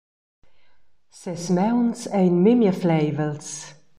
Ses mauns ein memia fleivels.